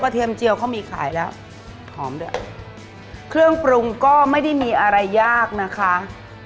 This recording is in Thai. เทียมเจียวเขามีขายแล้วหอมด้วยเครื่องปรุงก็ไม่ได้มีอะไรยากนะคะ